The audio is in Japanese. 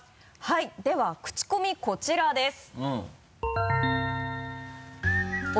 はいではクチコミこちらです。